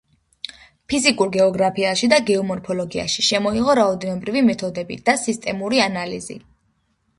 ფიზიკურ გეოგრაფიაში და გეომორფოლოგიაში შემოიღო რაოდენობრივი მეთოდები და სისტემური ანალიზი.